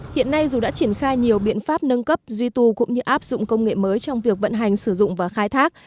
hiện nay dù đã triển khai nhiều biện pháp nâng cấp duy tu cũng như áp dụng công nghệ mới trong việc vận hành sử dụng và khai thác